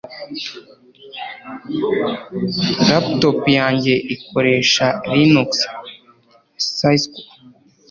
Laptop yanjye ikoresha Linux (sysko)